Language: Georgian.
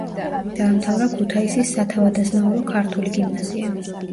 დაამთავრა ქუთაისის სათავადაზნაურო ქართული გიმნაზია.